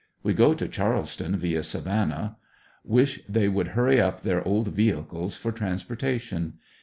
We go to Charleston, via. Savannah. Wish they would hurry up their old vehicles for transportation.